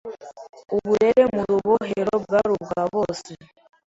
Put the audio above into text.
uburere mu Rubohero bwari ubwa bose